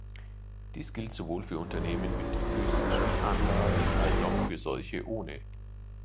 Dies gilt sowohl für Unternehmen mit physischen Anlagen als auch für solche ohne.